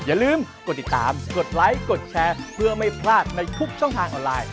อย่าลืมกดติดตามกดไลค์กดแชร์เพื่อไม่พลาดในทุกช่องทางออนไลน์